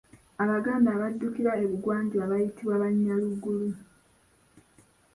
Abaganda abaddukira e bugwanjuba baayitibwa Banyaruguru.